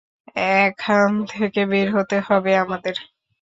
এখান থেকে বের হতে হবে আমাদের।